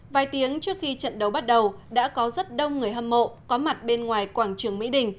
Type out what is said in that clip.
vài tiếng trước khi trận đấu bắt đầu đã có rất đông người hâm mộ có mặt bên ngoài quảng trường mỹ đình